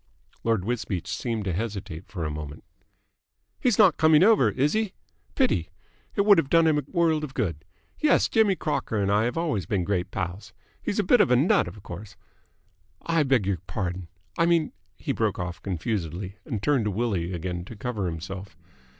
Lord Wisbeach seemed to hesitate for a moment. "He's not coming over, is he? Pity! It would have done him a world of good. Yes, Jimmy Crocker and I have always been great pals. He's a bit of a nut, of course, ... I beg your pardon! ... I mean ..." He broke off confusedly, and turned to Willie again to cover himself.